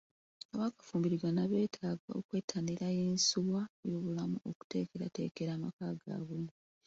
Abaakafumbiriganwa beetaaga okwettanira yinsuwa y'obulamu okuteekateekera amaka gaabwe.